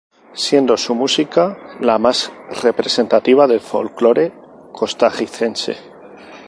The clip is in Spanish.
Siendo su música la más representativa del folklore costarricense.